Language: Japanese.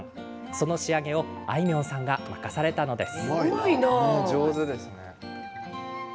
その仕上げをあいみょんさんが任されたのです。